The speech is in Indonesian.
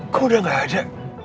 kok udah ga ada